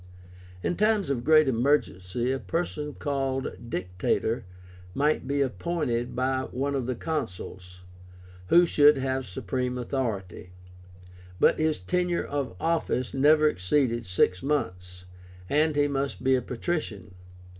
In times of great emergency a person called DICTATOR might be appointed by one of the Consuls, who should have supreme authority; but his tenure of office never exceeded six months, and he must be a patrician.